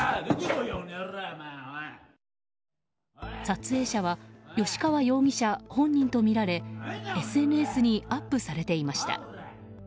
撮影者は吉川容疑者本人とみられＳＮＳにアップされていました。